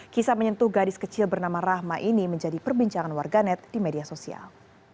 kisah menyentuh gadis kecil bernama rahma ini menjadi perbincangan warganet di media sosial